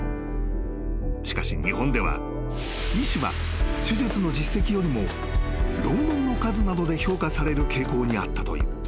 ［しかし日本では医師は手術の実績よりも論文の数などで評価される傾向にあったという］